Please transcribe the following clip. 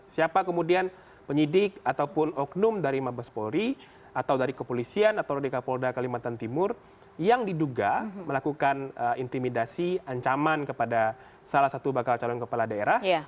siapa kemudian penyidik ataupun oknum dari mabes polri atau dari kepolisian atau dari kapolda kalimantan timur yang diduga melakukan intimidasi ancaman kepada salah satu bakal calon kepala daerah